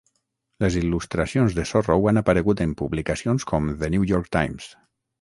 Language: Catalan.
Les il·lustracions de Sorrow han aparegut en publicacions com The New York Times.